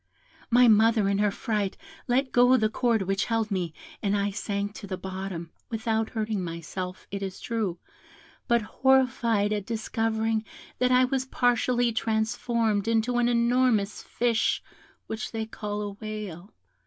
My mother in her fright let go the cord which held me, and I sank to the bottom, without hurting myself, it is true, but horrified at discovering that I was partially transformed into an enormous fish which they call a whale.